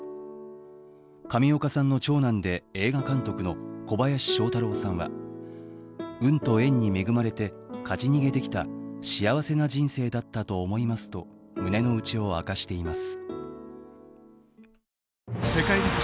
上岡さんの長男で映画監督の小林聖太郎さんは運と縁に恵まれて勝ち逃げできた幸せな人生だったと思いますと胸の内を明かしています。